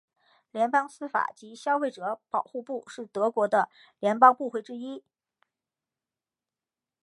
联邦司法及消费者保护部是德国的联邦部会之一。